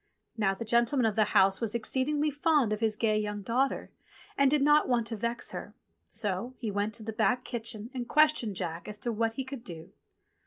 Now the gentleman of the house was exceedingly fond of his gay young daughter, and did not want to vex her ; so he went into the back kitchen and ques tioned Jack as to what he could do.